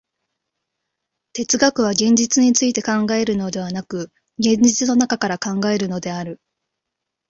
哲学は現実について考えるのでなく、現実の中から考えるのである。